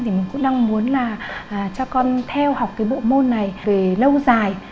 thì mình cũng đang muốn là cho con theo học cái bộ môn này về lâu dài